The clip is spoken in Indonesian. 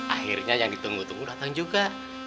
akhirnya yang ditunggu tunggu datang juga